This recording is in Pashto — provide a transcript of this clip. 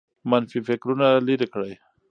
منفي فکرونه لیرې کړئ.